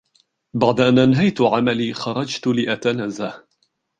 بعد أن أنهيت عملي ، خرجت لأتنزه.